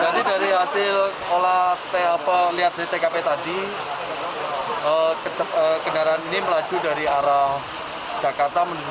dari hasil olah lihat di tkp tadi kendaraan ini melaju dari arah jakarta menuju